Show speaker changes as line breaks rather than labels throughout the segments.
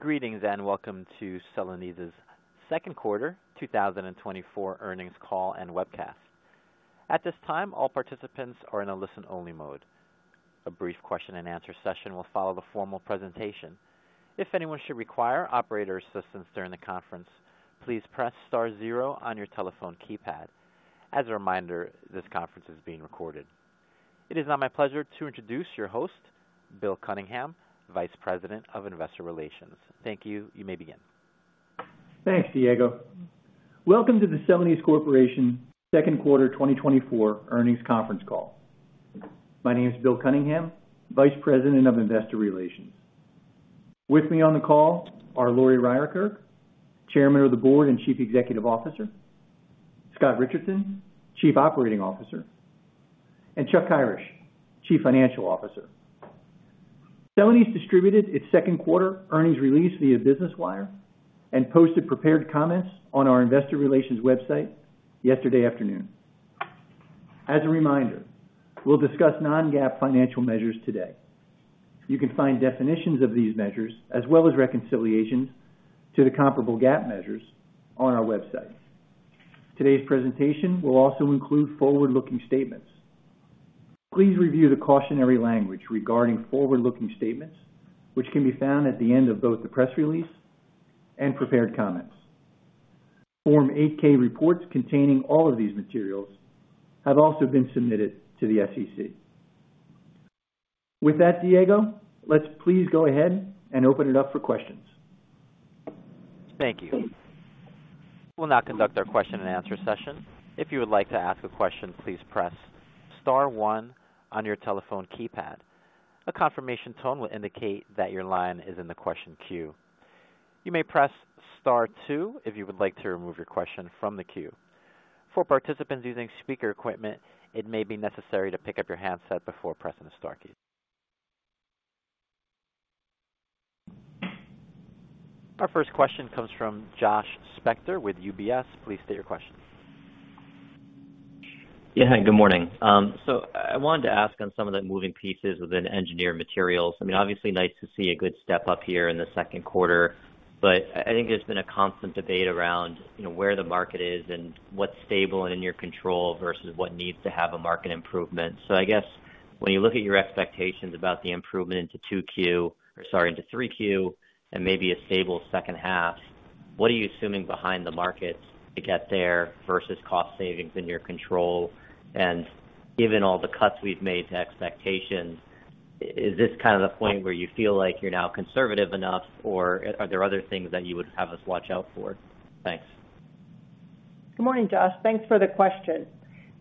Greetings and welcome to Celanese's second quarter 2024 earnings call and webcast. At this time, all participants are in a listen-only mode. A brief question-and-answer session will follow the formal presentation. If anyone should require operator assistance during the conference, please press star zero on your telephone keypad. As a reminder, this conference is being recorded. It is now my pleasure to introduce your host, Bill Cunningham, Vice President of Investor Relations. Thank you. You may begin.
Thanks, Diego. Welcome to the Celanese Corporation second quarter 2024 earnings conference call. My name is Bill Cunningham, Vice President of Investor Relations. With me on the call are Lori Ryerkerk, Chairman of the Board and Chief Executive Officer; Scott Richardson, Chief Operating Officer; and Chuck Kyrish, Chief Financial Officer. Celanese distributed its second quarter earnings release via Business Wire and posted prepared comments on our Investor Relations website yesterday afternoon. As a reminder, we'll discuss non-GAAP financial measures today. You can find definitions of these measures, as well as reconciliations to the comparable GAAP measures, on our website. Today's presentation will also include forward-looking statements. Please review the cautionary language regarding forward-looking statements, which can be found at the end of both the press release and prepared comments. Form 8-K reports containing all of these materials have also been submitted to the SEC. With that, Diego, let's please go ahead and open it up for questions.
Thank you. We'll now conduct our question-and-answer session. If you would like to ask a question, please press star one on your telephone keypad. A confirmation tone will indicate that your line is in the question queue. You may press star two if you would like to remove your question from the queue. For participants using speaker equipment, it may be necessary to pick up your handset before pressing the star key. Our first question comes from Josh Spector with UBS. Please state your question.
Yeah, hi, good morning. So I wanted to ask on some of the moving pieces within Engineered Materials. I mean, obviously, nice to see a good step up here in the second quarter, but I think there's been a constant debate around, you know, where the market is and what's stable and in your control versus what needs to have a market improvement. So I guess when you look at your expectations about the improvement into 2Q, or sorry, into 3Q, and maybe a stable second half, what are you assuming behind the markets to get there versus cost savings in your control? And given all the cuts we've made to expectations, is this kind of the point where you feel like you're now conservative enough, or are there other things that you would have us watch out for? Thanks.
Good morning, Josh. Thanks for the question.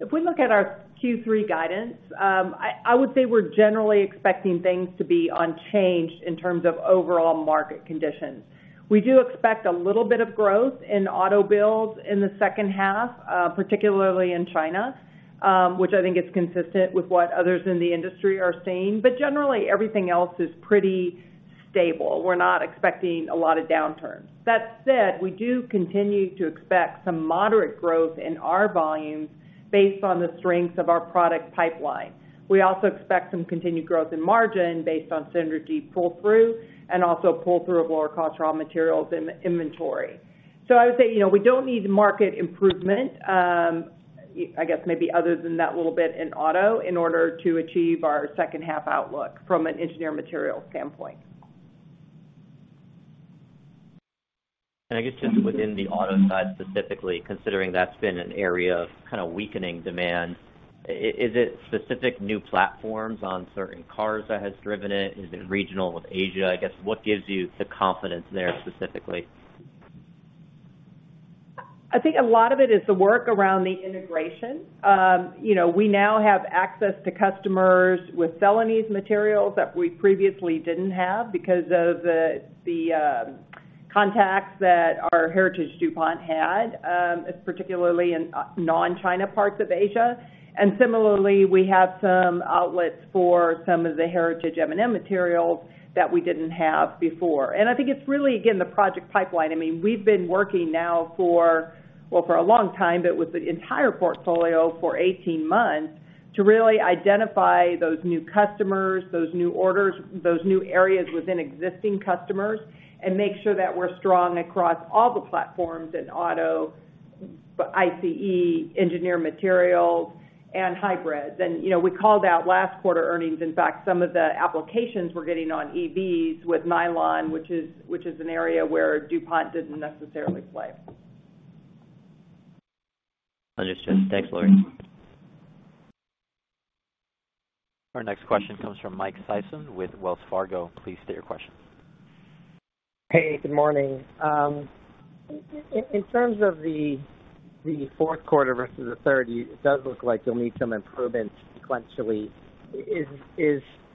If we look at our Q3 guidance, I would say we're generally expecting things to be unchanged in terms of overall market conditions. We do expect a little bit of growth in auto builds in the second half, particularly in China, which I think is consistent with what others in the industry are seeing. But generally, everything else is pretty stable. We're not expecting a lot of downturns. That said, we do continue to expect some moderate growth in our volumes based on the strengths of our product pipeline. We also expect some continued growth in margin based on synergy pull-through and also pull-through of lower-cost raw materials in inventory. So I would say, you know, we don't need market improvement, I guess maybe other than that little bit in auto in order to achieve our second half outlook from an engineered material standpoint.
I guess just within the auto side specifically, considering that's been an area of kind of weakening demand, is it specific new platforms on certain cars that has driven it? Is it regional with Asia? I guess what gives you the confidence there specifically?
I think a lot of it is the work around the integration. You know, we now have access to customers with Celanese materials that we previously didn't have because of the contacts that our Heritage DuPont had, particularly in non-China parts of Asia. And similarly, we have some outlets for some of the Heritage M&M materials that we didn't have before. And I think it's really, again, the project pipeline. I mean, we've been working now for, well, for a long time, but with the entire portfolio for 18 months to really identify those new customers, those new orders, those new areas within existing customers, and make sure that we're strong across all the platforms in auto, ICE, Engineered Materials, and hybrids. You know, we called out last quarter earnings. In fact, some of the applications we're getting on EVs with nylon, which is, which is an area where DuPont didn't necessarily play.
Understood. Thanks, Lori.
Our next question comes from Mike Sison with Wells Fargo. Please state your question.
Hey, good morning. In terms of the fourth quarter versus the third, it does look like you'll need some improvements sequentially. Is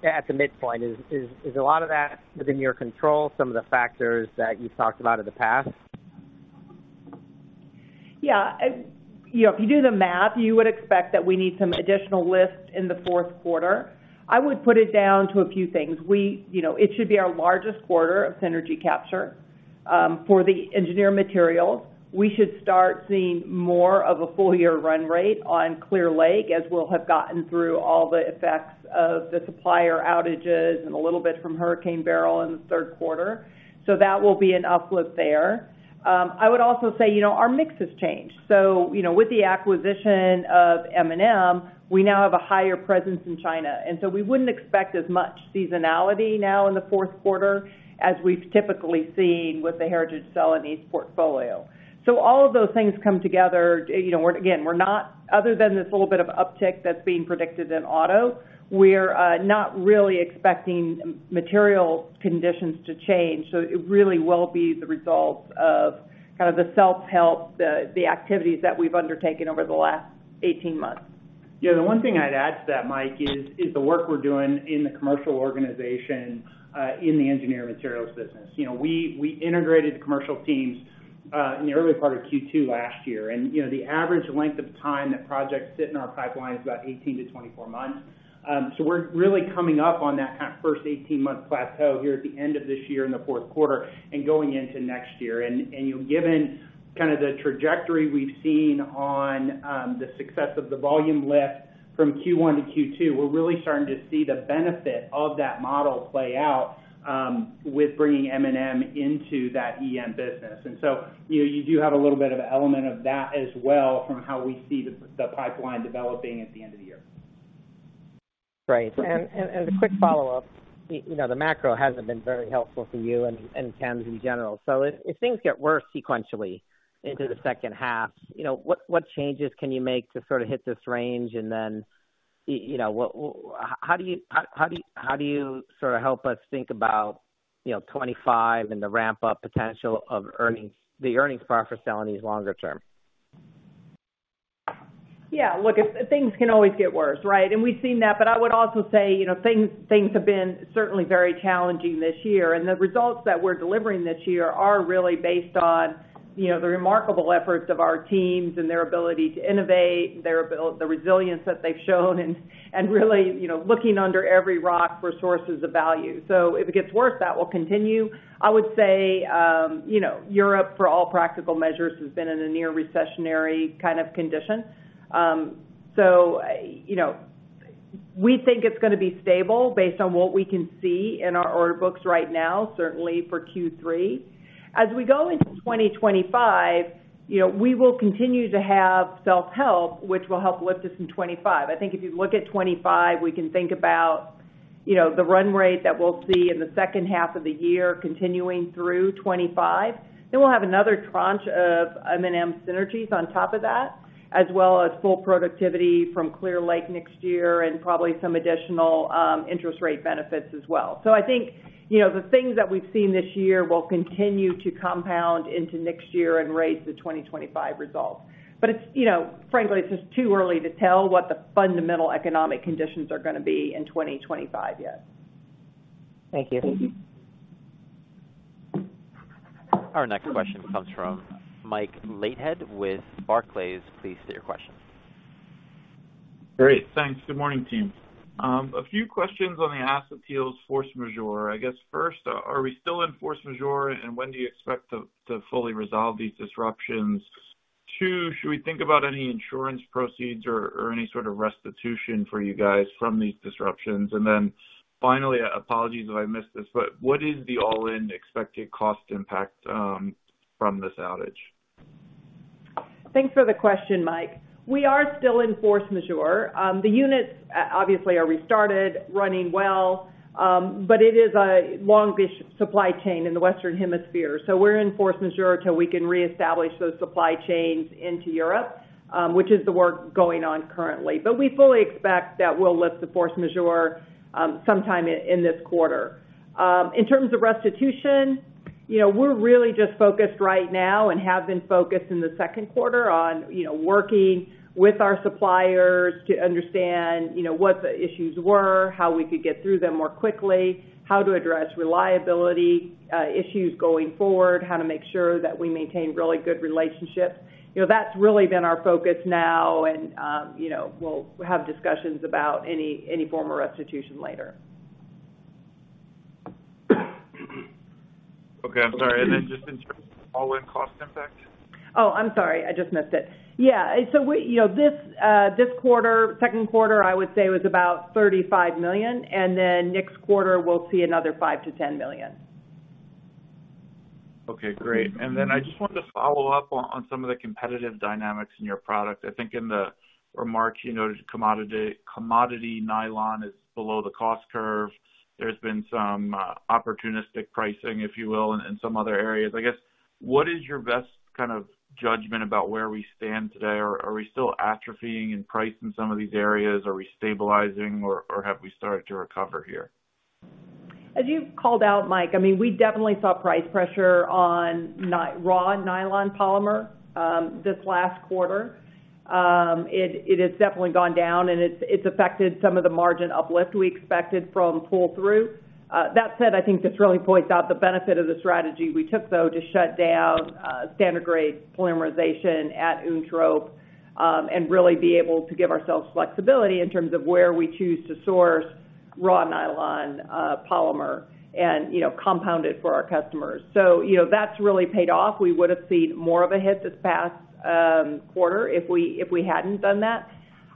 at the midpoint a lot of that within your control, some of the factors that you've talked about in the past?
Yeah, you know, if you do the math, you would expect that we need some additional lifts in the fourth quarter. I would put it down to a few things. We, you know, it should be our largest quarter of synergy capture. For the engineered materials, we should start seeing more of a full-year run rate on Clear Lake as we'll have gotten through all the effects of the supplier outages and a little bit from Hurricane Beryl in the third quarter. So that will be an uplift there. I would also say, you know, our mix has changed. So, you know, with the acquisition of M&M, we now have a higher presence in China. And so we wouldn't expect as much seasonality now in the fourth quarter as we've typically seen with the Heritage Celanese portfolio. So all of those things come together. You know, we're again, we're not other than this little bit of uptick that's being predicted in auto. We're not really expecting material conditions to change. So it really will be the result of kind of the self-help, the, the activities that we've undertaken over the last 18 months.
Yeah. The one thing I'd add to that, Mike, is, is the work we're doing in the commercial organization, in the engineered materials business. You know, we, we integrated the commercial teams, in the early part of Q2 last year. And, you know, the average length of time that projects sit in our pipeline is about 18-24 months. So we're really coming up on that kind of first 18-month plateau here at the end of this year in the fourth quarter and going into next year. And, and, you know, given kind of the trajectory we've seen on, the success of the volume lift from Q1 to Q2, we're really starting to see the benefit of that model play out, with bringing M&M into that EM business. And so, you know, you do have a little bit of an element of that as well from how we see the pipeline developing at the end of the year.
Right. And a quick follow-up. You know, the macro hasn't been very helpful for you and chems in general. So if things get worse sequentially into the second half, you know, what changes can you make to sort of hit this range? And then, you know, how do you sort of help us think about, you know, 2025 and the ramp-up potential of earnings the earnings profit Celanese longer term?
Yeah. Look, it's things can always get worse, right? And we've seen that. But I would also say, you know, things, things have been certainly very challenging this year. And the results that we're delivering this year are really based on, you know, the remarkable efforts of our teams and their ability to innovate, the resilience that they've shown, and really, you know, looking under every rock for sources of value. So if it gets worse, that will continue. I would say, you know, Europe for all practical measures has been in a near recessionary kind of condition. So, you know, we think it's going to be stable based on what we can see in our order books right now, certainly for Q3. As we go into 2025, you know, we will continue to have self-help, which will help lift us in 2025. I think if you look at 2025, we can think about, you know, the run rate that we'll see in the second half of the year continuing through 2025. Then we'll have another tranche of M&M synergies on top of that, as well as full productivity from Clear Lake next year and probably some additional interest rate benefits as well. So I think, you know, the things that we've seen this year will continue to compound into next year and raise the 2025 results. But it's, you know, frankly, it's just too early to tell what the fundamental economic conditions are going to be in 2025 yet.
Thank you.
Thank you.
Our next question comes from Michael Leithead with Barclays. Please state your question.
Great. Thanks. Good morning, team. A few questions on the Acetyls force majeure. I guess first, are we still in force majeure, and when do you expect to fully resolve these disruptions? Two, should we think about any insurance proceeds or any sort of restitution for you guys from these disruptions? And then finally, apologies if I missed this, but what is the all-in expected cost impact from this outage?
Thanks for the question, Mike. We are still in Force Majeure. The units, obviously are restarted, running well. But it is a longish supply chain in the Western Hemisphere. So we're in Force Majeure till we can reestablish those supply chains into Europe, which is the work going on currently. But we fully expect that we'll lift the Force Majeure sometime in this quarter. In terms of restitution, you know, we're really just focused right now and have been focused in the second quarter on, you know, working with our suppliers to understand, you know, what the issues were, how we could get through them more quickly, how to address reliability issues going forward, how to make sure that we maintain really good relationships. You know, that's really been our focus now. And, you know, we'll have discussions about any form of restitution later.
Okay. I'm sorry. And then just in terms of all-in cost impact?
Oh, I'm sorry. I just missed it. Yeah. So we, you know, this, this quarter, second quarter, I would say was about $35 million. And then next quarter, we'll see another $5 million-$10 million.
Okay. Great. And then I just wanted to follow up on some of the competitive dynamics in your product. I think in the remarks, you noted commodity nylon is below the cost curve. There's been some opportunistic pricing, if you will, in some other areas. I guess what is your best kind of judgment about where we stand today? Are we still atrophying in price in some of these areas? Are we stabilizing, or have we started to recover here?
As you called out, Mike, I mean, we definitely saw price pressure on nylon raw nylon polymer this last quarter. It has definitely gone down, and it's affected some of the margin uplift we expected from pull-through. That said, I think this really points out the benefit of the strategy we took, though, to shut down standard grade polymerization at Uentrop, and really be able to give ourselves flexibility in terms of where we choose to source raw nylon polymer and, you know, compound it for our customers. So, you know, that's really paid off. We would have seen more of a hit this past quarter if we hadn't done that.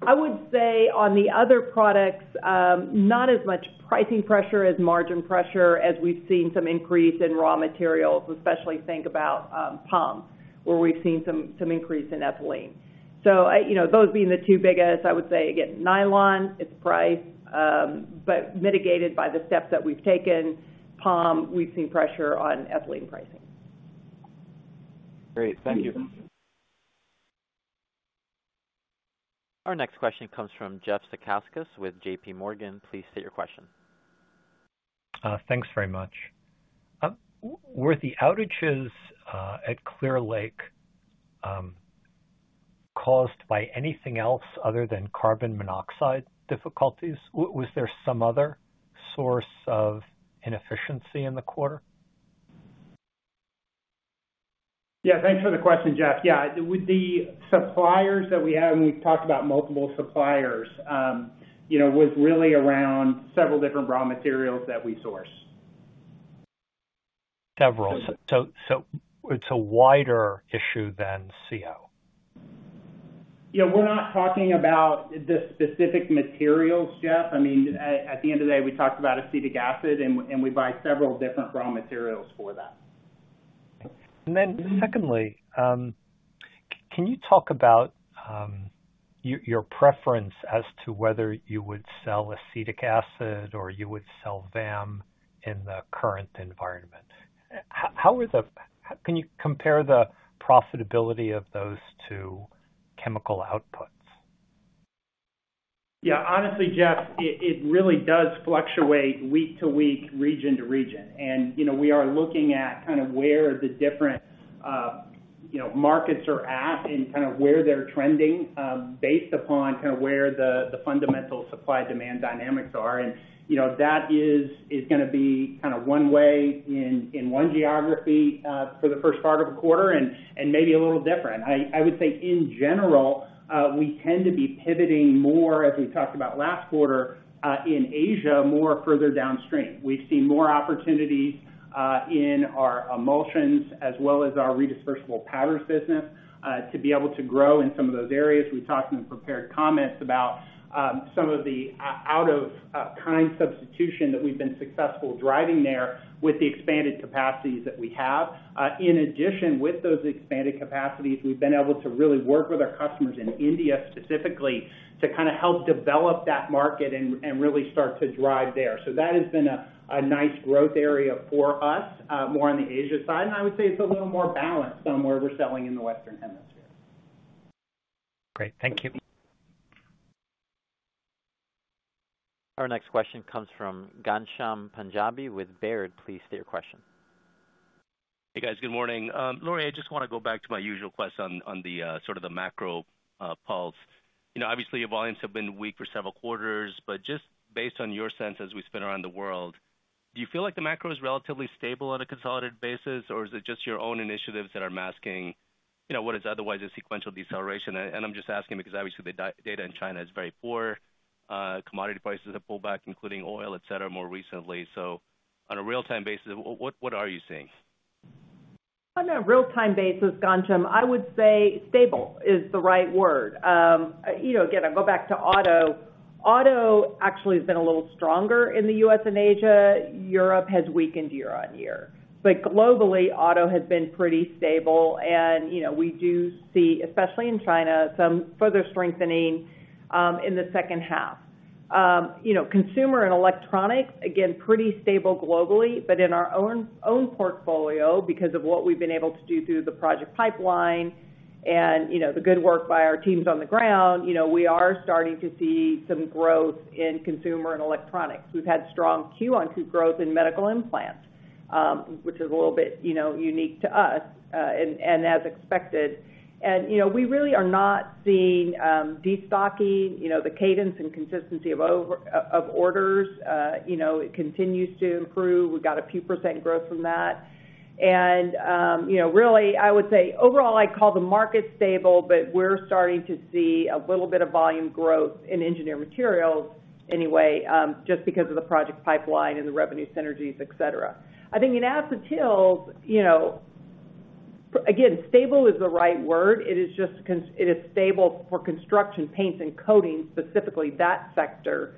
I would say on the other products, not as much pricing pressure as margin pressure as we've seen some increase in raw materials, especially think about, POM, where we've seen some increase in ethylene. So I, you know, those being the two biggest, I would say, again, nylon, it's price, but mitigated by the steps that we've taken. POM, we've seen pressure on ethylene pricing.
Great. Thank you.
Our next question comes from Jeffrey Zekauskas with JPMorgan. Please state your question.
Thanks very much. Were the outages at Clear Lake caused by anything else other than carbon monoxide difficulties? Was there some other source of inefficiency in the quarter?
Yeah. Thanks for the question, Jeff. Yeah. With the suppliers that we have, and we've talked about multiple suppliers, you know, was really around several different raw materials that we source.
Several. So it's a wider issue than CO?
Yeah. We're not talking about the specific materials, Jeff. I mean, at the end of the day, we talked about acetic acid, and we buy several different raw materials for that.
And then secondly, can you talk about your preference as to whether you would sell acetic acid or you would sell VAM in the current environment? How can you compare the profitability of those two chemical outputs?
Yeah. Honestly, Jeff, it, it really does fluctuate week to week, region to region. You know, we are looking at kind of where the different, you know, markets are at and kind of where they're trending, based upon kind of where the, the fundamental supply-demand dynamics are. You know, that is, is going to be kind of one way in, in one geography, for the first part of the quarter and, and maybe a little different. I, I would say in general, we tend to be pivoting more, as we talked about last quarter, in Asia more further downstream. We've seen more opportunities, in our emulsions as well as our redispersible powders business, to be able to grow in some of those areas. We talked in the prepared comments about some kind of substitution that we've been successful driving there with the expanded capacities that we have. In addition, with those expanded capacities, we've been able to really work with our customers in India specifically to kind of help develop that market and really start to drive there. That has been a nice growth area for us, more on the Asia side. I would say it's a little more balanced than where we're selling in the Western Hemisphere.
Great. Thank you. Our next question comes from Ghansham Panjabi with Baird. Please state your question.
Hey, guys. Good morning. Lori, I just want to go back to my usual question on the sort of the macro pulse. You know, obviously, your volumes have been weak for several quarters. But just based on your sense as we spin around the world, do you feel like the macro is relatively stable on a consolidated basis, or is it just your own initiatives that are masking, you know, what is otherwise a sequential deceleration? And I'm just asking because obviously the data in China is very poor. Commodity prices have pulled back, including oil, etc., more recently. So on a real-time basis, what are you seeing?
On a real-time basis, Ghansham, I would say stable is the right word. You know, again, I'll go back to auto. Auto actually has been a little stronger in the U.S. and Asia. Europe has weakened year-over-year. But globally, auto has been pretty stable. And, you know, we do see, especially in China, some further strengthening, in the second half. You know, consumer and electronics, again, pretty stable globally. But in our own, own portfolio, because of what we've been able to do through the project pipeline and, you know, the good work by our teams on the ground, you know, we are starting to see some growth in consumer and electronics. We've had strong Q-over-Q growth in medical implants, which is a little bit, you know, unique to us, and, and as expected. You know, we really are not seeing destocking, you know, the cadence and consistency of our orders. You know, it continues to improve. We've got a few% growth from that. You know, really, I would say overall, I'd call the market stable, but we're starting to see a little bit of volume growth in Engineered Materials anyway, just because of the project pipeline and the revenue synergies, etc. I think in acetyls, you know, again, stable is the right word. It is just constant, it is stable for construction, paints, and coatings, specifically that sector,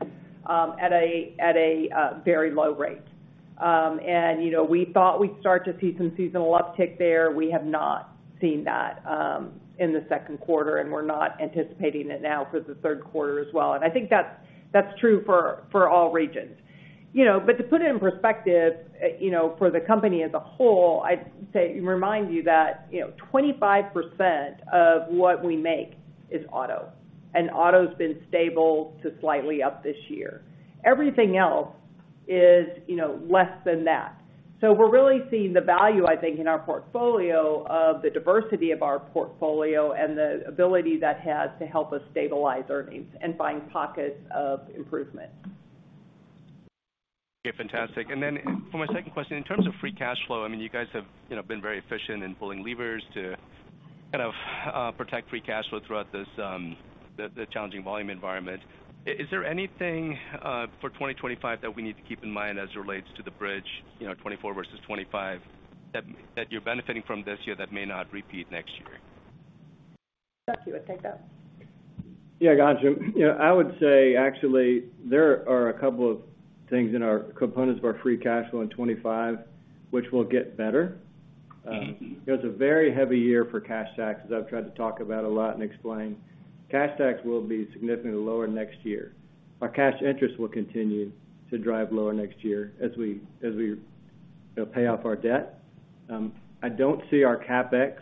at a very low rate. You know, we thought we'd start to see some seasonal uptick there. We have not seen that in the second quarter, and we're not anticipating it now for the third quarter as well. And I think that's true for all regions. You know, but to put it in perspective, you know, for the company as a whole, I'd say remind you that, you know, 25% of what we make is auto. And auto's been stable to slightly up this year. Everything else is, you know, less than that. So we're really seeing the value, I think, in our portfolio of the diversity of our portfolio and the ability that has to help us stabilize earnings and find pockets of improvement.
Okay. Fantastic. Then for my second question, in terms of free cash flow, I mean, you guys have, you know, been very efficient in pulling levers to kind of protect free cash flow throughout this, the challenging volume environment. Is there anything for 2025 that we need to keep in mind as it relates to the bridge, you know, 2024 versus 2025, that you're benefiting from this year that may not repeat next year?
Chuck, you would take that.
Yeah. Ghansham, you know, I would say actually there are a couple of things in our components of our Free Cash Flow in 2025 which will get better.
Mm-hmm.
You know, it's a very heavy year for cash tax, as I've tried to talk about a lot and explain. Cash tax will be significantly lower next year. Our cash interest will continue to drive lower next year as we, as we, you know, pay off our debt. I don't see our CapEx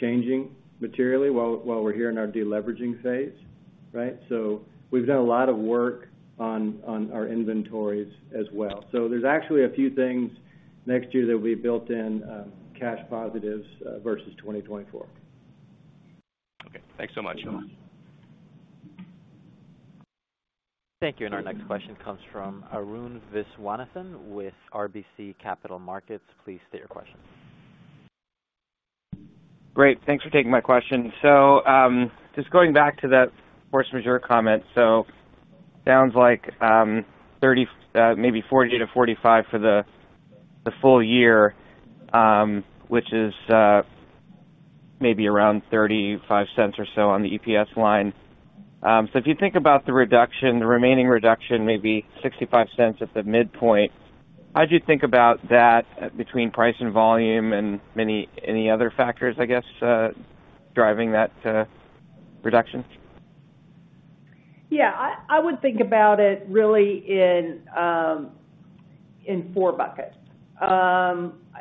changing materially while, while we're here in our deleveraging phase, right? So we've done a lot of work on, on our inventories as well. So there's actually a few things next year that will be built in, cash positives, versus 2024.
Okay. Thanks so much.
Thank you. Our next question comes from Arun Viswanathan with RBC Capital Markets. Please state your question.
Great. Thanks for taking my question. So, just going back to that force majeure comment, so sounds like, 30, maybe 40-45 for the, the full year, which is, maybe around $0.35 or so on the EPS line. So if you think about the reduction, the remaining reduction, maybe $0.65 at the midpoint, how'd you think about that, between price and volume and many, any other factors, I guess, driving that, reduction?
Yeah. I would think about it really in four buckets.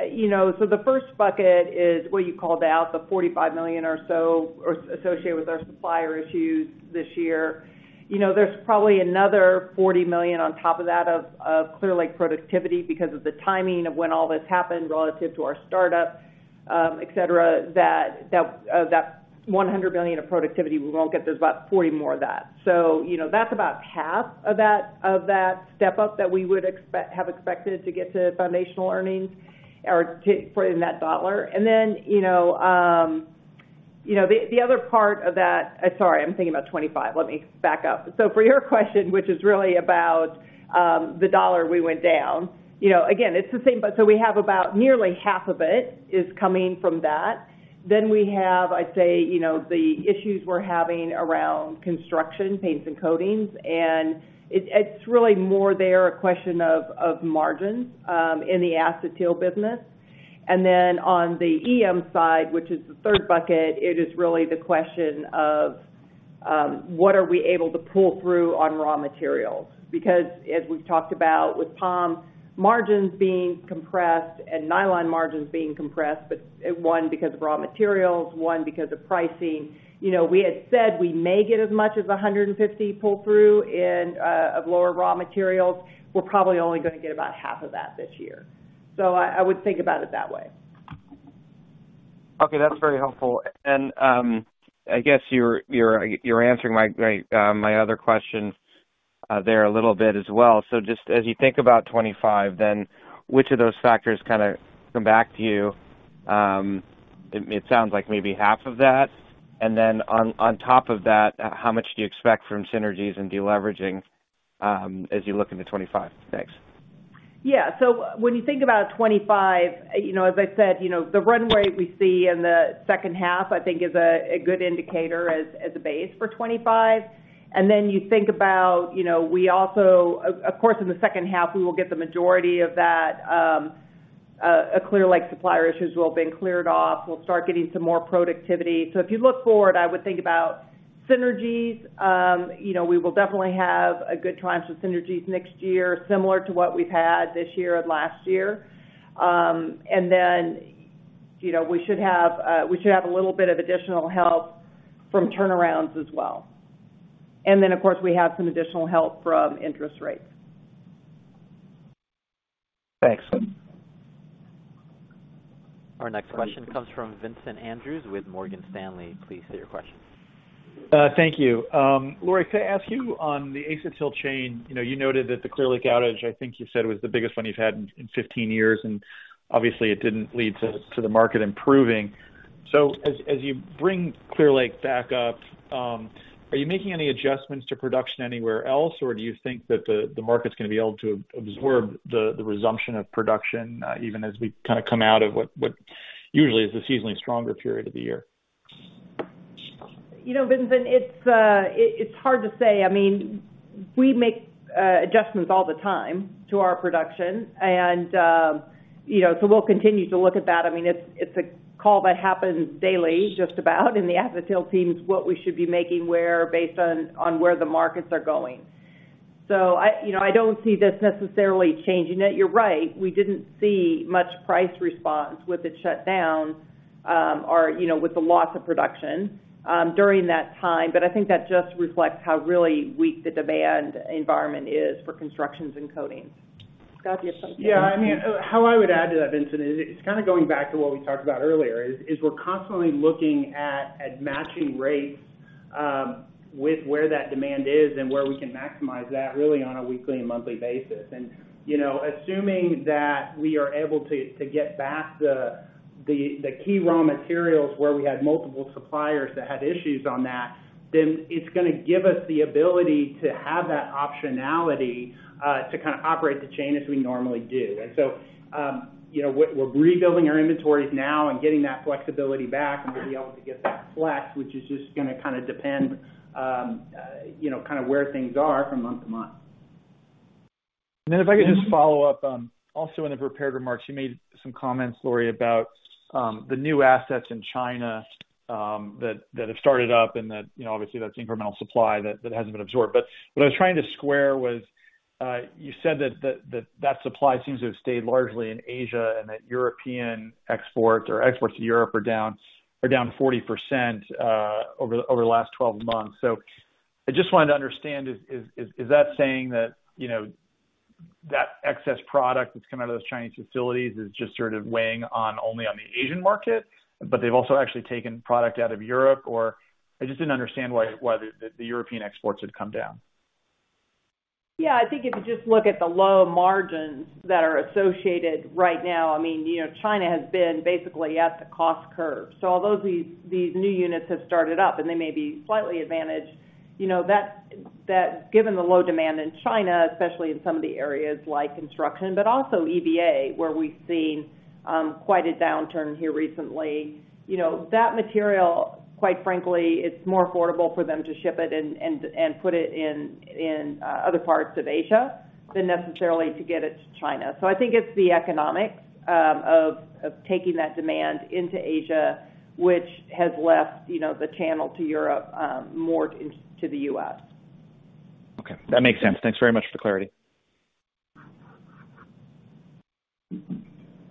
You know, so the first bucket is what you called out, the $45 million or so associated with our supplier issues this year. You know, there's probably another $40 million on top of that of Clear Lake productivity because of the timing of when all this happened relative to our startup, etc., that $100 million of productivity, we won't get. There's about $40 more of that. So, you know, that's about half of that, of that step up that we would expect have expected to get to foundational earnings for in that dollar. And then, you know, the other part of that, sorry, I'm thinking about $25. Let me back up. So for your question, which is really about the dollar, we went down. You know, again, it's the same, but so we have about nearly half of it is coming from that. Then we have, I'd say, you know, the issues we're having around construction, paints, and coatings. And it, it's really more there a question of, of margins, in the Acetyls business. And then on the EM side, which is the third bucket, it is really the question of, what are we able to pull through on raw materials? Because as we've talked about with POM, margins being compressed and nylon margins being compressed, but, one because of raw materials, one because of pricing. You know, we had said we may get as much as 150 pull-through in, of lower raw materials. We're probably only going to get about half of that this year. So I, I would think about it that way.
Okay. That's very helpful. And, I guess you're answering my other question, there a little bit as well. So just as you think about 2025, then which of those factors kind of come back to you? It sounds like maybe half of that. And then on top of that, how much do you expect from synergies and deleveraging, as you look into 2025? Thanks.
Yeah. So when you think about 2025, you know, as I said, you know, the runway we see in the second half, I think, is a good indicator as a base for 2025. And then you think about, you know, we also, of course, in the second half, we will get the majority of that, Clear Lake supplier issues will have been cleared off. We'll start getting some more productivity. So if you look forward, I would think about synergies. You know, we will definitely have a good time for synergies next year, similar to what we've had this year and last year. And then, you know, we should have a little bit of additional help from turnarounds as well. And then, of course, we have some additional help from interest rates.
Thanks.
Our next question comes from Vincent Andrews with Morgan Stanley. Please state your question.
Thank you. Lori, could I ask you on the acetyl chain? You know, you noted that the Clear Lake outage, I think you said, was the biggest one you've had in 15 years. And obviously, it didn't lead to the market improving. So as you bring Clear Lake back up, are you making any adjustments to production anywhere else, or do you think that the market's going to be able to absorb the resumption of production, even as we kind of come out of what usually is the seasonally stronger period of the year?
You know, Vincent, it's hard to say. I mean, we make adjustments all the time to our production. And, you know, so we'll continue to look at that. I mean, it's a call that happens daily, just about, in the acetyl teams, what we should be making where based on where the markets are going. So I, you know, I don't see this necessarily changing it. You're right. We didn't see much price response with the shutdown, or, you know, with the loss of production during that time. But I think that just reflects how really weak the demand environment is for construction and coatings. Scott? Do you have something?
Yeah. I mean, how I would add to that, Vincent, is it's kind of going back to what we talked about earlier. We're constantly looking at matching rates with where that demand is and where we can maximize that really on a weekly and monthly basis. And, you know, assuming that we are able to get back the key raw materials where we had multiple suppliers that had issues on that, then it's going to give us the ability to have that optionality to kind of operate the chain as we normally do. And so, you know, we're rebuilding our inventories now and getting that flexibility back and to be able to get that flex, which is just going to kind of depend, you know, kind of where things are from month to month.
And then if I could just follow up, also in the prepared remarks, you made some comments, Lori, about the new assets in China that have started up and that, you know, obviously, that's incremental supply that hasn't been absorbed. But what I was trying to square was, you said that the supply seems to have stayed largely in Asia and that European exports or exports to Europe are down 40% over the last 12 months. So I just wanted to understand, is that saying that, you know, that excess product that's come out of those Chinese facilities is just sort of weighing only on the Asian market, but they've also actually taken product out of Europe? Or I just didn't understand why the European exports had come down.
Yeah. I think if you just look at the low margins that are associated right now, I mean, you know, China has been basically at the cost curve. So although these new units have started up and they may be slightly advantaged, you know, that given the low demand in China, especially in some of the areas like construction, but also EVA, where we've seen quite a downturn here recently, you know, that material, quite frankly, it's more affordable for them to ship it and put it in other parts of Asia than necessarily to get it to China. So I think it's the economics of taking that demand into Asia, which has left, you know, the channel to Europe, more in to the US.
Okay. That makes sense. Thanks very much for the clarity.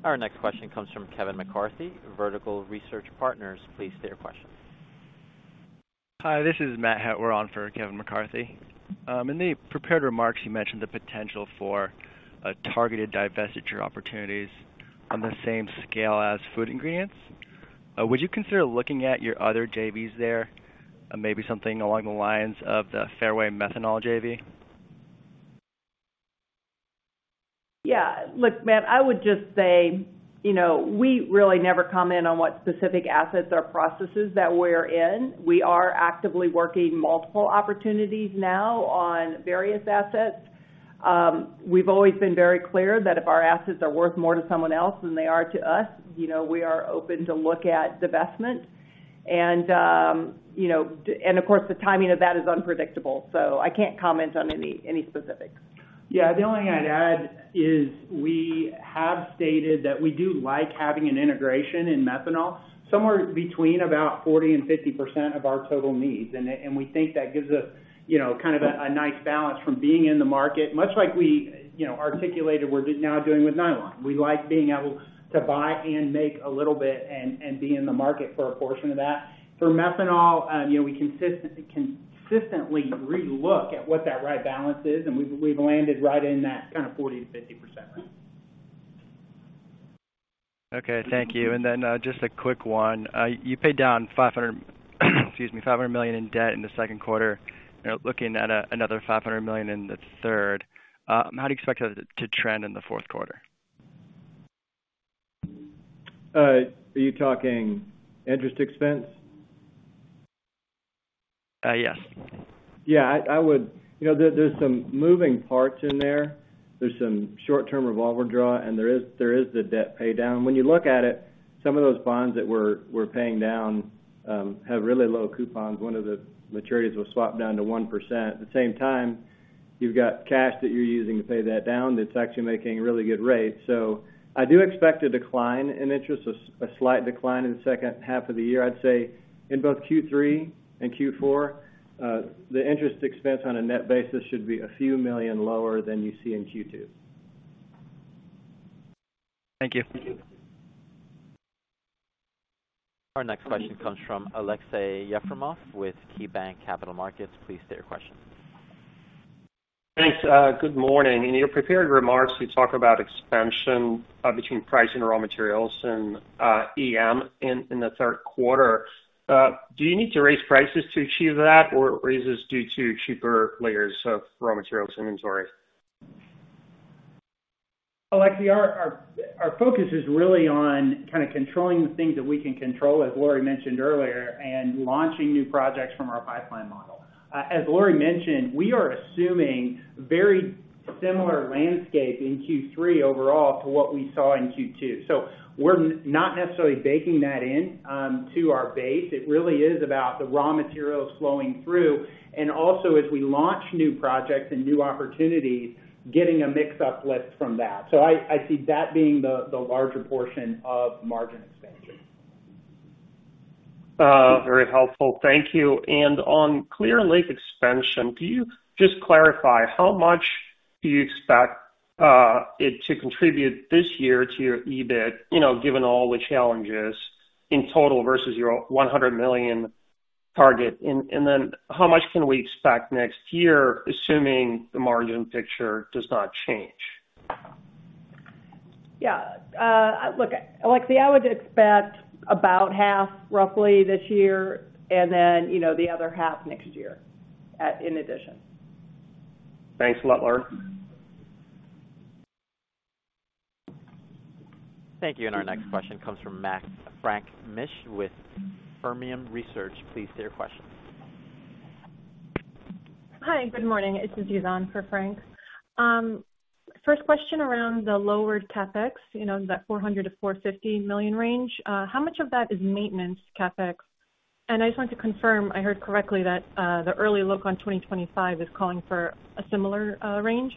Our next question comes from Kevin McCarthy, Vertical Research Partners. Please state your question.
Hi. This is Matt Hewer on for Kevin McCarthy. In the prepared remarks, you mentioned the potential for targeted divestiture opportunities on the same scale as Food Ingredients. Would you consider looking at your other JVs there, maybe something along the lines of the Fairway Methanol JV?
Yeah. Look, Matt, I would just say, you know, we really never comment on what specific assets or processes that we're in. We are actively working multiple opportunities now on various assets. We've always been very clear that if our assets are worth more to someone else than they are to us, you know, we are open to look at divestment. And, you know, and of course, the timing of that is unpredictable. So I can't comment on any, any specifics.
Yeah. The only thing I'd add is we have stated that we do like having an integration in methanol, somewhere between about 40%-50% of our total needs. And we think that gives us, you know, kind of a nice balance from being in the market, much like we, you know, articulated we're now doing with nylon. We like being able to buy and make a little bit and be in the market for a portion of that. For methanol, you know, we consistently re-look at what that right balance is. And we've landed right in that kind of 40%-50% range.
Okay. Thank you. And then, just a quick one. You paid down $500 million, excuse me, $500 million, in debt in the second quarter. You're looking at another $500 million in the third. How do you expect that to trend in the fourth quarter?
Are you talking interest expense?
yes.
Yeah. I would, you know, there's some moving parts in there. There's some short-term revolver draw, and there is the debt paydown. When you look at it, some of those bonds that we're paying down have really low coupons. One of the maturities was swapped down to 1%. At the same time, you've got cash that you're using to pay that down that's actually making really good rates. So I do expect a decline in interest, a slight decline in the second half of the year. I'd say in both Q3 and Q4, the interest expense on a net basis should be $a few million lower than you see in Q2.
Thank you.
Our next question comes from Aleksey Yefremov with KeyBanc Capital Markets. Please state your question.
Thanks. Good morning. In your prepared remarks, you talk about expansion between pricing, raw materials, and EM in the third quarter. Do you need to raise prices to achieve that, or is this due to cheaper layers of raw materials inventory?
Alex, our focus is really on kind of controlling the things that we can control, as Lori mentioned earlier, and launching new projects from our pipeline model. As Lori mentioned, we are assuming very similar landscape in Q3 overall to what we saw in Q2. So we're not necessarily baking that in to our base. It really is about the raw materials flowing through and also, as we launch new projects and new opportunities, getting a mix uplift from that. So I see that being the larger portion of margin expansion.
Very helpful. Thank you. And on Clear Lake expansion, can you just clarify how much do you expect it to contribute this year to your EBIT, you know, given all the challenges in total versus your $100 million target? And then how much can we expect next year, assuming the margin picture does not change?
Yeah. Look, Alex, I would expect about half, roughly, this year, and then, you know, the other half next year, and in addition.
Thanks a lot, Lori.
Thank you. Our next question comes from Frank Mitsch with Fermium Research. Please state your question.
Hi. Good morning. This is Yazan for Frank. First question around the lowered CapEx, you know, that $400 million-$450 million range. How much of that is maintenance CapEx? And I just wanted to confirm I heard correctly that the early look on 2025 is calling for a similar range?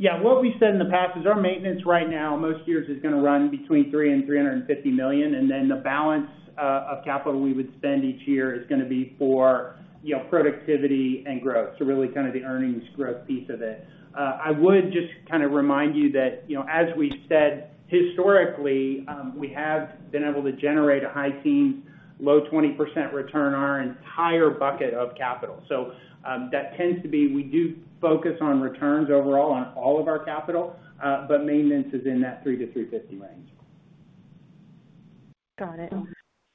Yeah. What we've said in the past is our maintenance right now, most years, is going to run between $300 million and $350 million. And then the balance of capital we would spend each year is going to be for, you know, productivity and growth. So really kind of the earnings growth piece of it. I would just kind of remind you that, you know, as we've said, historically, we have been able to generate a high teens, low 20% return on our entire bucket of capital. So, that tends to be we do focus on returns overall on all of our capital, but maintenance is in that $300-$350 million range.
Got it.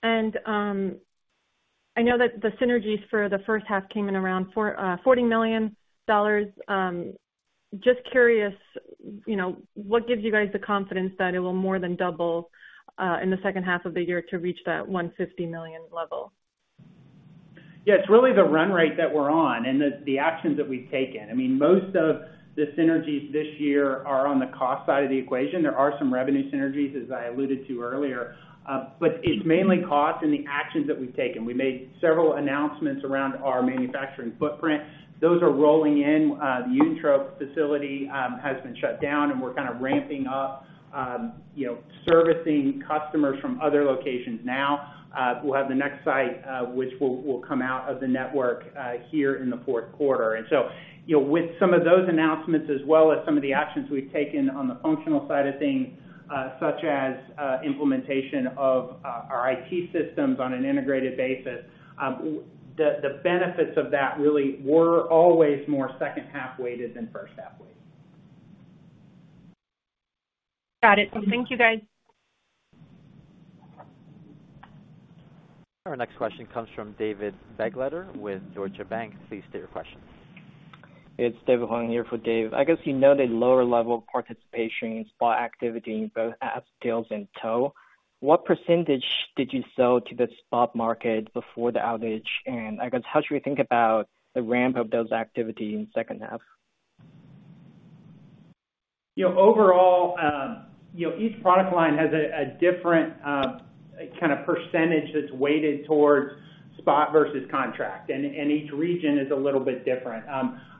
And I know that the synergies for the first half came in around $40 million. Just curious, you know, what gives you guys the confidence that it will more than double in the second half of the year to reach that $150 million level?
Yeah. It's really the run rate that we're on and the, the actions that we've taken. I mean, most of the synergies this year are on the cost side of the equation. There are some revenue synergies, as I alluded to earlier. But it's mainly cost and the actions that we've taken. We made several announcements around our manufacturing footprint. Those are rolling in. The Uentrop facility has been shut down, and we're kind of ramping up, you know, servicing customers from other locations now. We'll have the next site, which will, will come out of the network, here in the fourth quarter. And so, you know, with some of those announcements as well as some of the actions we've taken on the functional side of things, such as implementation of our IT systems on an integrated basis, the benefits of that really were always more second half-weighted than first half-weighted.
Got it. Thank you, guys.
Our next question comes from David Begleiter with Deutsche Bank. Please state your question.
It's David Huang here for Dave. I guess you noted lower level participation in spot activity in both acetyls and tow. What percentage did you sell to the spot market before the outage? I guess, how should we think about the ramp of those activity in second half?
You know, overall, you know, each product line has a different, kind of percentage that's weighted towards spot versus contract. And each region is a little bit different.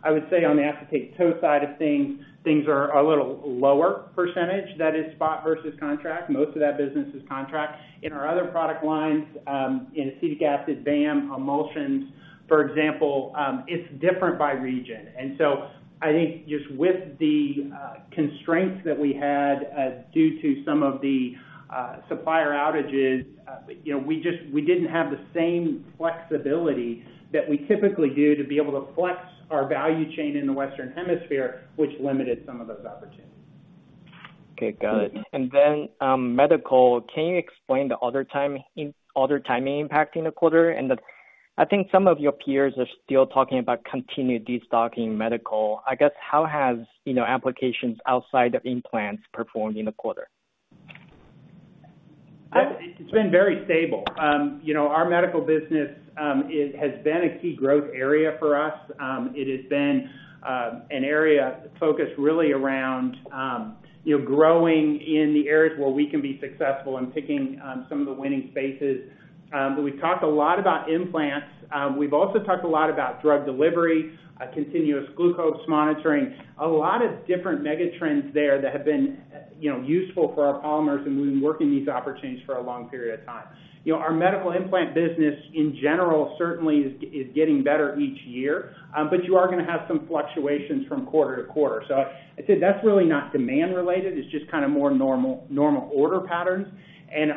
I would say on the Acetate Tow side of things, things are a little lower percentage that is spot versus contract. Most of that business is contract. In our other product lines, in acetic acid, VAM, emulsions, for example, it's different by region. And so I think just with the constraints that we had, due to some of the supplier outages, you know, we just didn't have the same flexibility that we typically do to be able to flex our value chain in the Western Hemisphere, which limited some of those opportunities.
Okay. Got it. And then, medical, can you explain the other time in other timing impacting the quarter? And I think some of your peers are still talking about continued de-stocking medical. I guess, how has, you know, applications outside of implants performed in the quarter?
It's been very stable. You know, our medical business has been a key growth area for us. It has been an area focused really around, you know, growing in the areas where we can be successful and picking some of the winning spaces. But we've talked a lot about implants. We've also talked a lot about drug delivery, continuous glucose monitoring, a lot of different mega trends there that have been, you know, useful for our polymers. And we've been working these opportunities for a long period of time. You know, our medical implant business in general certainly is getting better each year. But you are going to have some fluctuations from quarter to quarter. So I'd say that's really not demand-related. It's just kind of more normal order patterns.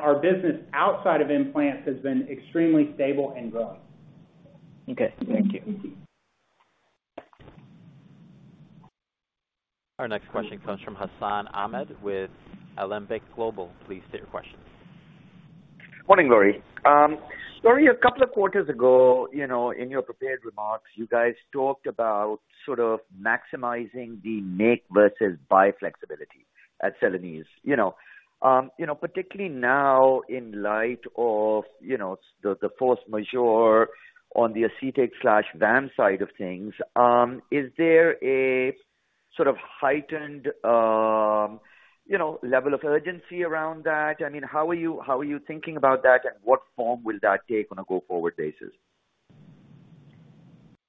Our business outside of implants has been extremely stable and growing.
Okay. Thank you.
Our next question comes from Hassan Ahmed with Alembic Global. Please state your question.
Morning, Lori. Lori, a couple of quarters ago, you know, in your prepared remarks, you guys talked about sort of maximizing the make versus buy flexibility at Celanese, you know. You know, particularly now in light of, you know, the force majeure on the acetate/VAM side of things, is there a sort of heightened, you know, level of urgency around that? I mean, how are you thinking about that, and what form will that take on a go-forward basis?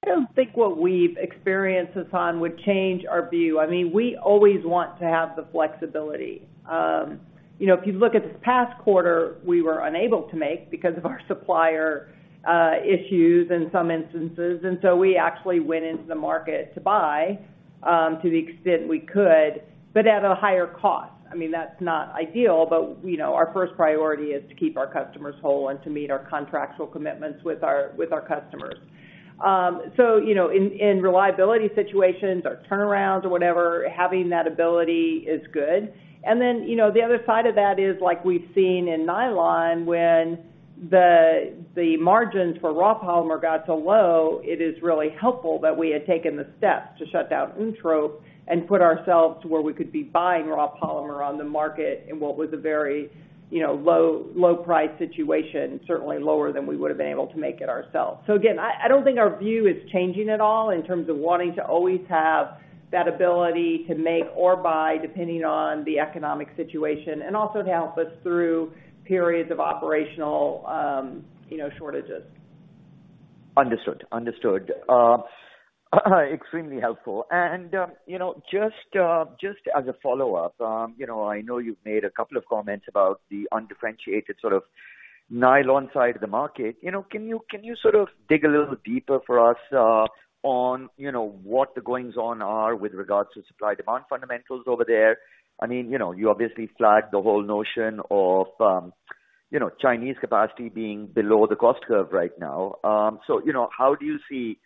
I don't think what we've experienced, Hassan, would change our view. I mean, we always want to have the flexibility. You know, if you look at this past quarter, we were unable to make because of our supplier issues in some instances. And so we actually went into the market to buy, to the extent we could, but at a higher cost. I mean, that's not ideal, but, you know, our first priority is to keep our customers whole and to meet our contractual commitments with our customers. So, you know, in reliability situations or turnarounds or whatever, having that ability is good. And then, you know, the other side of that is, like we've seen in nylon, when the margins for raw polymer got so low, it is really helpful that we had taken the step to shut down Uentrop and put ourselves to where we could be buying raw polymer on the market in what was a very, you know, low, low-priced situation, certainly lower than we would have been able to make it ourselves. So again, I don't think our view is changing at all in terms of wanting to always have that ability to make or buy, depending on the economic situation, and also to help us through periods of operational, you know, shortages.
Understood. Understood. Extremely helpful. And, you know, just, just as a follow-up, you know, I know you've made a couple of comments about the undifferentiated sort of nylon side of the market. You know, can you, can you sort of dig a little deeper for us, on, you know, what the goings-on are with regards to supply-demand fundamentals over there? I mean, you know, you obviously flagged the whole notion of, you know, Chinese capacity being below the cost curve right now. So, you know, how do you see,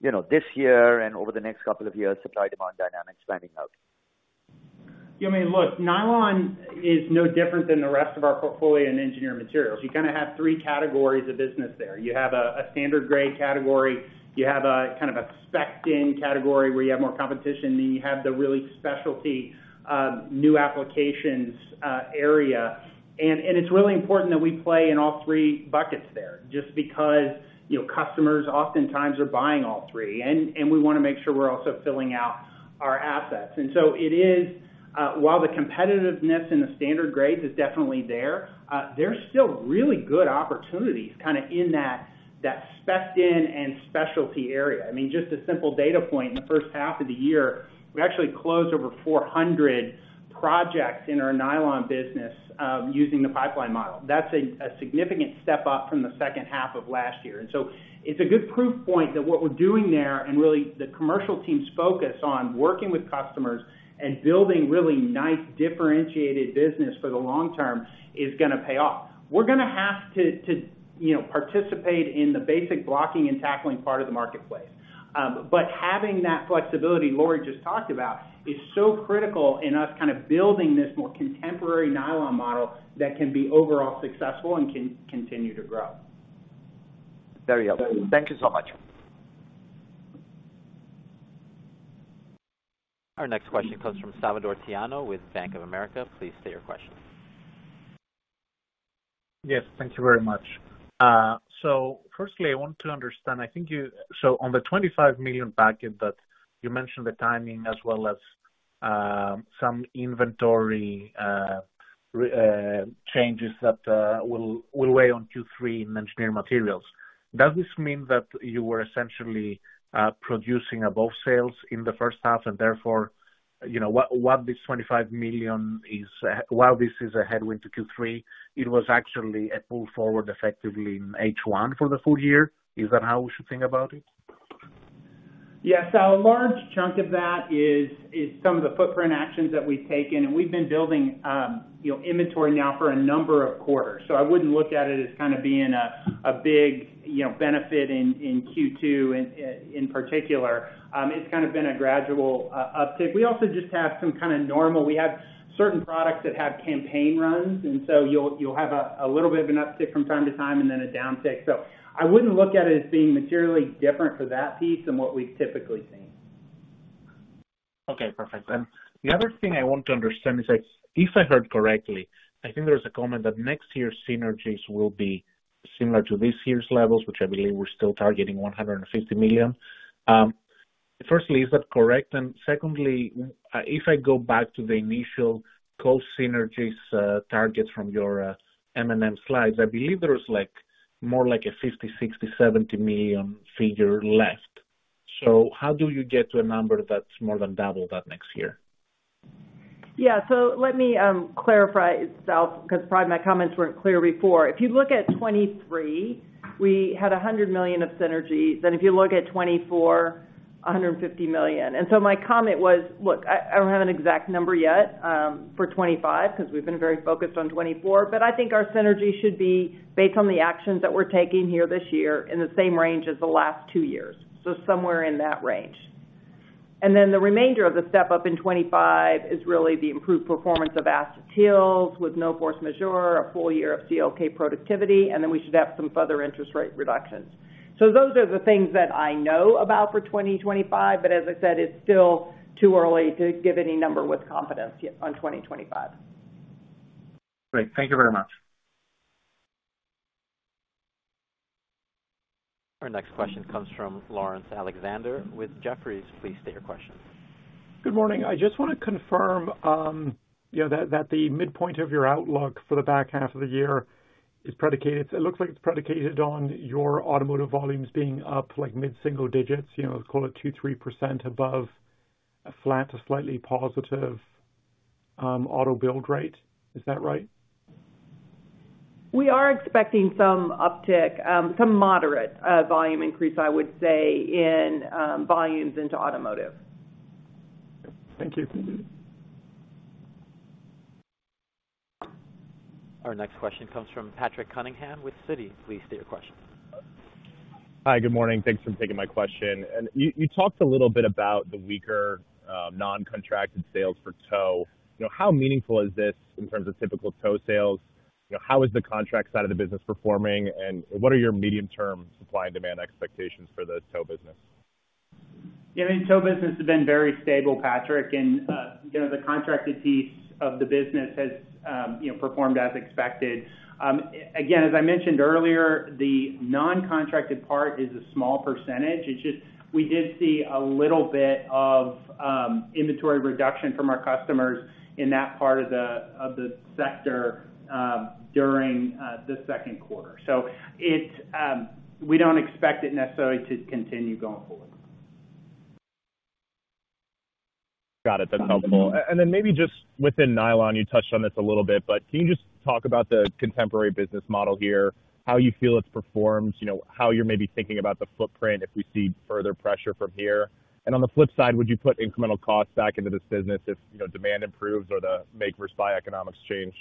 you know, this year and over the next couple of years, supply-demand dynamics panning out?
Yeah. I mean, look, nylon is no different than the rest of our portfolio in engineered materials. You kind of have three categories of business there. You have a, a standard-grade category. You have a kind of a spec-in category where you have more competition, and then you have the really specialty, new applications, area. And, and it's really important that we play in all three buckets there just because, you know, customers oftentimes are buying all three. And, and we want to make sure we're also filling out our assets. And so it is, while the competitiveness in the standard grades is definitely there, there's still really good opportunities kind of in that, that spec-in and specialty area. I mean, just a simple data point, in the first half of the year, we actually closed over 400 projects in our nylon business, using the pipeline model. That's a significant step up from the second half of last year. And so it's a good proof point that what we're doing there and really the commercial team's focus on working with customers and building really nice, differentiated business for the long term is going to pay off. We're going to have to, you know, participate in the basic blocking and tackling part of the marketplace. But having that flexibility Lori just talked about is so critical in us kind of building this more contemporary nylon model that can be overall successful and can continue to grow.
Very helpful. Thank you so much.
Our next question comes from Salvatore Tiano with Bank of America. Please state your question.
Yes. Thank you very much. So firstly, I want to understand. I think you said on the $25 million impact that you mentioned, the timing as well as some inventory rebalancing that will weigh on Q3 in Engineered Materials. Does this mean that you were essentially producing above sales in the first half and therefore, you know, what this $25 million is, while this is a headwind to Q3, it was actually a pull forward effectively in H1 for the full year? Is that how we should think about it?
Yeah. So a large chunk of that is some of the footprint actions that we've taken. And we've been building, you know, inventory now for a number of quarters. So I wouldn't look at it as kind of being a big, you know, benefit in Q2 in particular. It's kind of been a gradual uptick. We also just have some kind of normal; we have certain products that have campaign runs. And so you'll have a little bit of an uptick from time to time and then a downtick. So I wouldn't look at it as being materially different for that piece than what we've typically seen.
Okay. Perfect. And the other thing I want to understand is that if I heard correctly, I think there was a comment that next year's synergies will be similar to this year's levels, which I believe we're still targeting $150 million. First, is that correct? And second, if I go back to the initial cost synergies targets from your M&M slides, I believe there was like more like a $50, $60, $70 million figure left. So how do you get to a number that's more than double that next year?
Yeah. So let me clarify itself because probably my comments weren't clear before. If you look at 2023, we had $100 million of synergies. And if you look at 2024, $150 million. And so my comment was, look, I, I don't have an exact number yet, for 2025 because we've been very focused on 2024. But I think our synergy should be, based on the actions that we're taking here this year, in the same range as the last two years, so somewhere in that range. And then the remainder of the step up in 2025 is really the improved performance of acetyls with no force majeure, a full year of Clear Lake productivity, and then we should have some further interest rate reductions. So those are the things that I know about for 2025. But as I said, it's still too early to give any number with confidence on 2025.
Great. Thank you very much.
Our next question comes from Laurence Alexander with Jefferies. Please state your question.
Good morning. I just want to confirm, you know, that, that the midpoint of your outlook for the back half of the year is predicated it looks like it's predicated on your automotive volumes being up like mid-single digits, you know, call it 2%-3% above a flat to slightly positive, auto build rate. Is that right?
We are expecting some uptick, some moderate volume increase, I would say, in volumes into automotive.
Thank you.
Our next question comes from Patrick Cunningham with Citi. Please state your question.
Hi. Good morning. Thanks for taking my question. And you, you talked a little bit about the weaker, non-contracted sales for tow. You know, how meaningful is this in terms of typical tow sales? You know, how is the contract side of the business performing? And what are your medium-term supply and demand expectations for the tow business?
Yeah. I mean, the tow business has been very stable, Patrick. And, you know, the contracted piece of the business has, you know, performed as expected. Again, as I mentioned earlier, the non-contracted part is a small percentage. It's just we did see a little bit of inventory reduction from our customers in that part of the sector during the second quarter. So it's, we don't expect it necessarily to continue going forward.
Got it. That's helpful. And then maybe just within nylon, you touched on this a little bit, but can you just talk about the contemporary business model here, how you feel it's performed, you know, how you're maybe thinking about the footprint if we see further pressure from here? And on the flip side, would you put incremental costs back into this business if, you know, demand improves or the make versus buy economics change?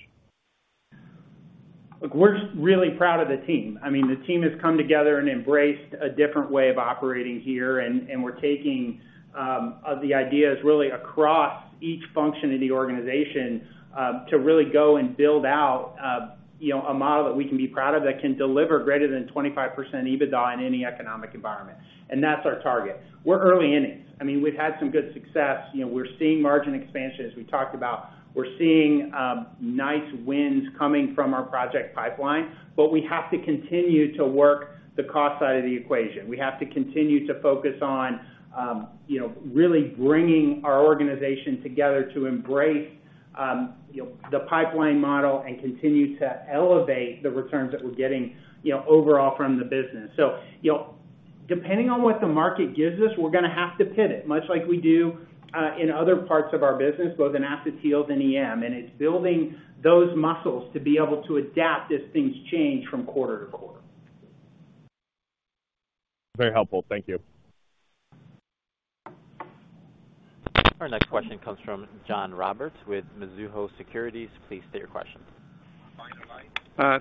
Look, we're really proud of the team. I mean, the team has come together and embraced a different way of operating here. And we're taking the ideas really across each function of the organization to really go and build out, you know, a model that we can be proud of that can deliver greater than 25% EBITDA in any economic environment. And that's our target. We're early in it. I mean, we've had some good success. You know, we're seeing margin expansion, as we talked about. We're seeing nice wins coming from our project pipeline. But we have to continue to work the cost side of the equation. We have to continue to focus on, you know, really bringing our organization together to embrace, you know, the pipeline model and continue to elevate the returns that we're getting, you know, overall from the business. So, you know, depending on what the market gives us, we're going to have to pivot, much like we do, in other parts of our business, both in acetyls and EM. It's building those muscles to be able to adapt as things change from quarter to quarter.
Very helpful. Thank you.
Our next question comes from John Roberts with Mizuho Securities. Please state your question.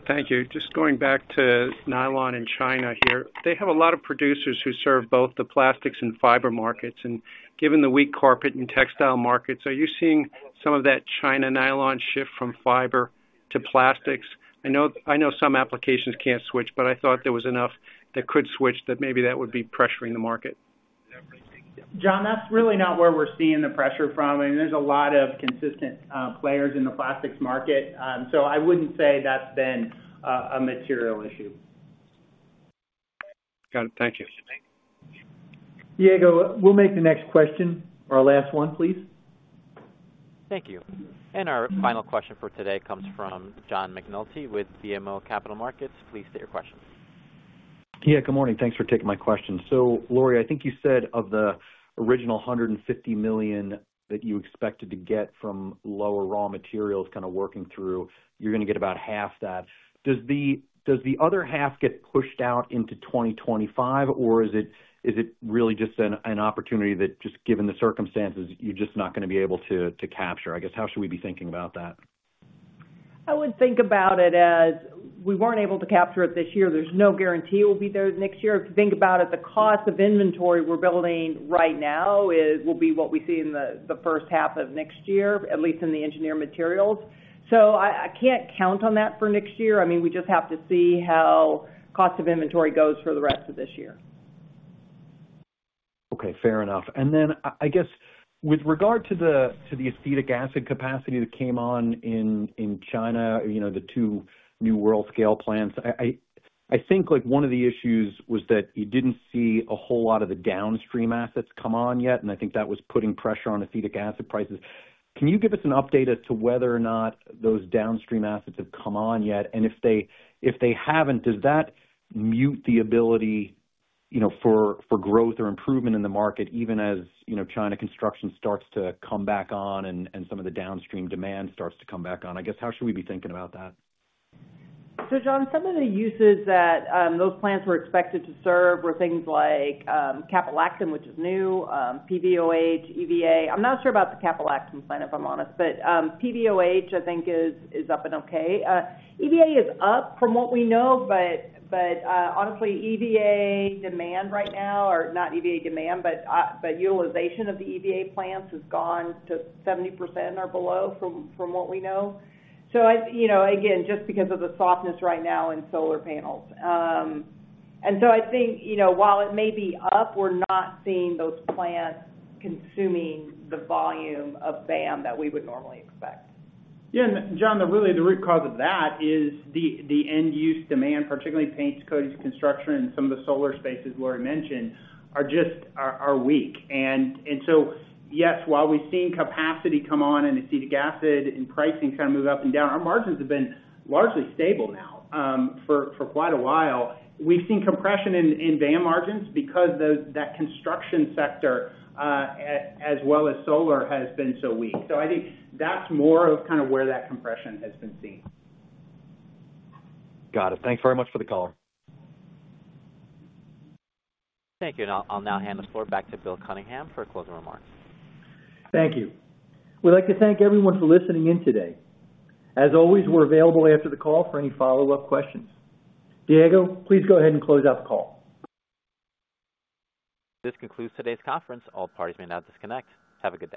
Thank you. Just going back to nylon in China here, they have a lot of producers who serve both the plastics and fiber markets. And given the weak carpet and textile markets, are you seeing some of that China nylon shift from fiber to plastics? I know I know some applications can't switch, but I thought there was enough that could switch that maybe that would be pressuring the market.
John, that's really not where we're seeing the pressure from. I mean, there's a lot of consistent players in the plastics market. I wouldn't say that's been a material issue.
Got it. Thank you.
Diego, we'll make the next question or last one, please.
Thank you. And our final question for today comes from John McNulty with BMO Capital Markets. Please state your question.
Yeah. Good morning. Thanks for taking my question. So Lori, I think you said of the original $150 million that you expected to get from lower raw materials kind of working through, you're going to get about half that. Does the other half get pushed out into 2025, or is it really just an opportunity that, given the circumstances, you're just not going to be able to capture? I guess, how should we be thinking about that?
I would think about it as we weren't able to capture it this year. There's no guarantee it will be there next year. If you think about it, the cost of inventory we're building right now is will be what we see in the first half of next year, at least in the Engineered Materials. So I can't count on that for next year. I mean, we just have to see how cost of inventory goes for the rest of this year.
Okay. Fair enough. And then I guess with regard to the acetic acid capacity that came on in China, you know, the two new world-scale plants, I think, like, one of the issues was that you didn't see a whole lot of the downstream assets come on yet. And I think that was putting pressure on acetic acid prices. Can you give us an update as to whether or not those downstream assets have come on yet? And if they haven't, does that mute the ability, you know, for growth or improvement in the market even as, you know, China construction starts to come back on and some of the downstream demand starts to come back on? I guess, how should we be thinking about that?
So John, some of the uses that those plants were expected to serve were things like caprolactam, which is new, PVOH, EVA. I'm not sure about the caprolactam plant, if I'm honest. But PVOH, I think, is up and okay. EVA is up from what we know. But honestly, EVA demand right now or not EVA demand, but utilization of the EVA plants has gone to 70% or below from what we know. So I, you know, again, just because of the softness right now in solar panels, and so I think, you know, while it may be up, we're not seeing those plants consuming the volume of VAM that we would normally expect.
Yeah. And John, really the root cause of that is the end-use demand, particularly paint, coatings, construction, and some of the solar spaces Lori mentioned are just weak. And so yes, while we've seen capacity come on in acetic acid and pricing kind of move up and down, our margins have been largely stable now for quite a while. We've seen compression in VAM margins because that construction sector, as well as solar, has been so weak. So I think that's more of kind of where that compression has been seen.
Got it. Thanks very much for the call.
Thank you. I'll now hand the floor back to Bill Cunningham for closing remarks.
Thank you. We'd like to thank everyone for listening in today. As always, we're available after the call for any follow-up questions. Diego, please go ahead and close out the call.
This concludes today's conference. All parties may now disconnect. Have a good day.